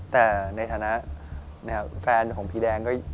แต่ในฐานะแฟนของพี่แดงก็